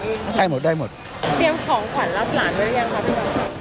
เตรียมของขวัญรับหลานไว้หรือยังครับพี่น้อง